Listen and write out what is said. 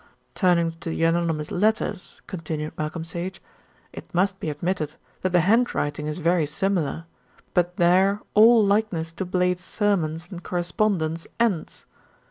"Turning to the anonymous letters," continued Malcolm Sage, "it must be admitted that the handwriting is very similar; but there all likeness to Blade's sermons and correspondence ends.